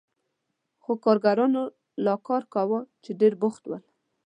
خو کارګرانو لا کار کاوه چې ډېر بوخت ول.